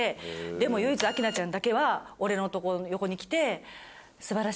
「でも唯一明菜ちゃんだけは俺の横に来て」。